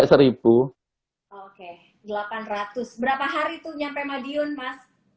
oke delapan ratus berapa hari tuh nyampe madiun mas